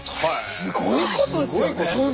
すごいことですよ。